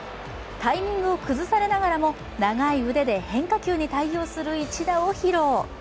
タイミングを崩されながらも長い腕で変化球に対応する一打を披露。